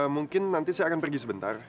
mungkin nanti saya akan pergi sebentar